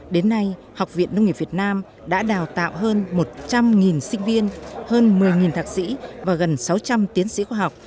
đến nay học viện nông nghiệp việt nam đã đào tạo hơn một trăm linh sinh viên hơn một mươi thạc sĩ và gần sáu trăm linh tiến sĩ khoa học